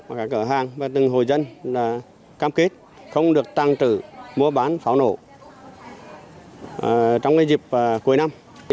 các cửa hàng và từng hồ dân cam kết không được tăng trữ mua bán pháo nổ trong dịp cuối năm